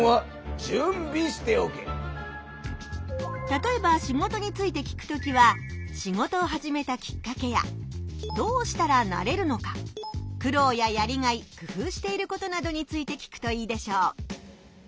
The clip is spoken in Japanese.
たとえば仕事について聞くときは仕事を始めたきっかけやどうしたらなれるのか苦労ややりがい工夫していることなどについて聞くといいでしょう。